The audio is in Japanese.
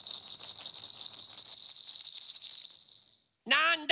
なんだ？